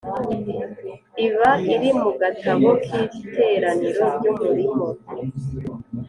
iba iri mu Gatabo k Iteraniro ry Umurimo.